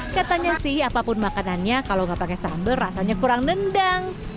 katanya sih apapun makanannya kalau nggak pakai sambal rasanya kurang nendang